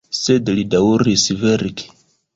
Sed li daŭris verki.